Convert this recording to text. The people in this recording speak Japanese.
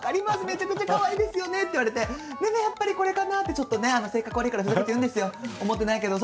めちゃくちゃかわいいですよね」って言われて「でもやっぱりこれかな」ってちょっとね性格悪いからふざけて言うんですよ思ってないけど。